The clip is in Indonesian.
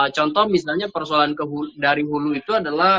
contoh misalnya persoalan dari hulu itu adalah